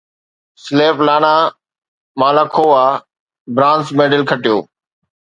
Svetlana Malakhova bronze medal کٽيو